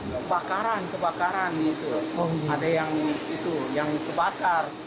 kebakaran kebakaran gitu ada yang kebakar